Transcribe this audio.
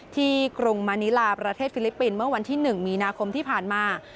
กรุงมานิลาประเทศฟิลิปปินส์เมื่อวันที่๑มีนาคมที่ผ่านมา